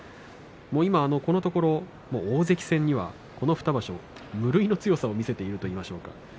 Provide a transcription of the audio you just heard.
今このところ大関戦にはこの２場所、無類の強さを見せているといいましょうか。